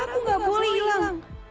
suaraku nggak boleh hilang